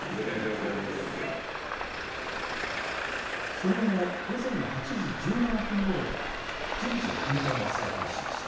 その後、午前８時１７分ごろから順次運転を再開しました。